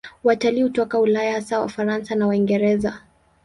Watalii hutoka Ulaya, hasa Wafaransa na Waingereza.